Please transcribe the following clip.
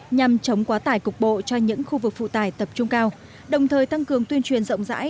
nhằm chống quá tải cục bộ cho những khu vực phụ tải tập trung cao đồng thời tăng cường tuyên truyền rộng rãi